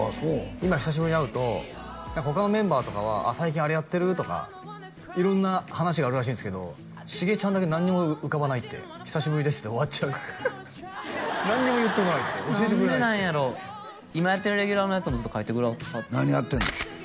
今久しぶりに会うと他のメンバーとかは「最近あれやってる？」とか色んな話があるらしいんですけどシゲちゃんだけ何にも浮かばないって「久しぶりです」で終わっちゃうって何も言ってこない教えてくれない何でなんやろ今やってるレギュラーのやつもずっと書いてくださって何やってんの？